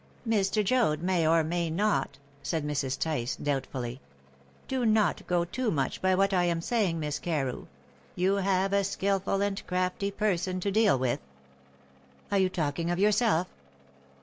"Mr. Joad may or may not," said Mrs. Tice doubtfully. "Do not go too much by what I am saying, Miss Carew. You have a skilful and crafty person to deal with." "Are you talking of yourself?"